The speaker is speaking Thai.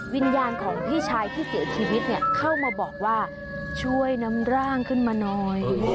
วิญญาณของพี่ชายที่เสียชีวิตเนี่ยเข้ามาบอกว่าช่วยนำร่างขึ้นมาหน่อย